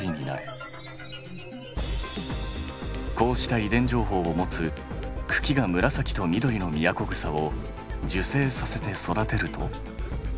こうした遺伝情報を持つ茎が紫と緑のミヤコグサを授精させて育てると。